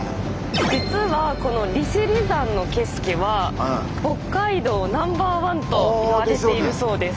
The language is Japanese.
実はこの利尻山の景色は北海道ナンバーワンといわれているそうです。